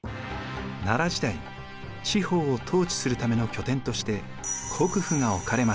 奈良時代地方を統治するための拠点として国府が置かれました。